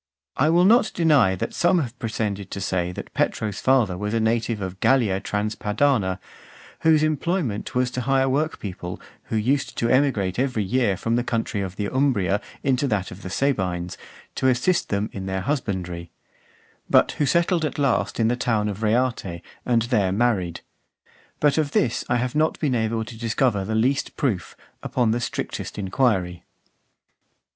I will not deny that some have pretended to say, that Petro's father was a native of Gallia Transpadana , whose employment was to hire workpeople who used to emigrate every year from the country of the Umbria into that of the Sabines, to assist them in their husbandry ; but who settled at last in the town of Reate, and there married. But of this I have not been able to discover the least proof, upon the strictest inquiry.